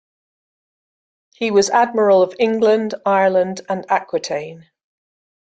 He was Admiral of England, Ireland, and Aquitaine.